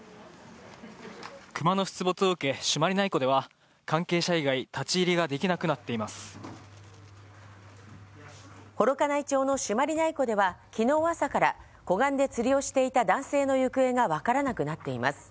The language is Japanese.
クマの出没を受け、朱鞠内湖では、関係者以外、幌加内町の朱鞠内湖では、きのう朝から湖岸で釣りをしていた男性の行方が分からなくなっています。